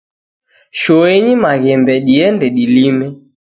Shooenyi maghembe diende dilime